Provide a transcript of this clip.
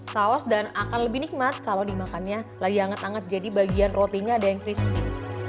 saus dan akan lebih nikmat kalau dimakannya lagi hangat hangat jadi bagian rotinya ada yang crispy